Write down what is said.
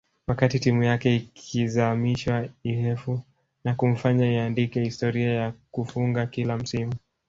wakati timu yake ikiizamisha Ihefu na kumfanya aandike historia ya kufunga kila msimu